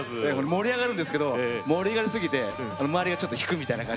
盛り上がるんですけど盛り上がりすぎて周りがちょっと引くみたいな感じなんですけど。